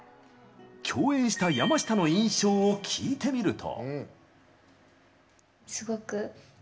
共演した山下の印象を聞いてみると。